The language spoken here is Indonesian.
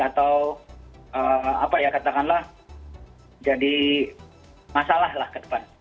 atau apa ya katakanlah jadi masalah lah ke depan